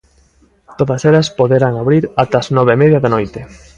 Todas elas poderán abrir ata as nove e media da noite.